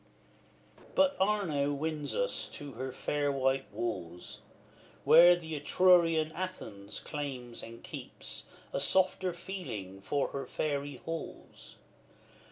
XLVIII. But Arno wins us to the fair white walls, Where the Etrurian Athens claims and keeps A softer feeling for her fairy halls.